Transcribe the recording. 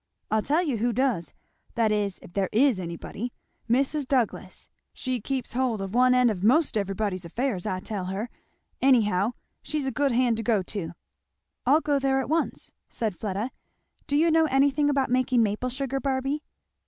I'll tell you who does, that is, if there is anybody, Mis' Douglass. She keeps hold of one end of 'most everybody's affairs, I tell her. Anyhow she's a good hand to go to." "I'll go there at once," said Fleda. "Do you know anything about making maple sugar, Barby?"